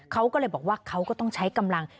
เขาก็เลยบอกว่าเขาก็ต้องใช้กำลัง